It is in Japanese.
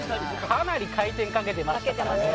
かなり回転をかけてましたね。